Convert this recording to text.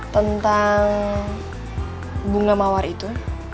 tentang bunga mawar itu